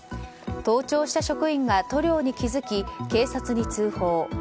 登庁した職員が塗料に気づき警察に通報。